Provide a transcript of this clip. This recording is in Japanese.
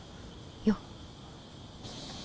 よっ。